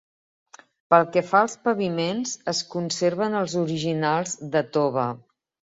Pel que fa als paviments, es conserven els originals de tova.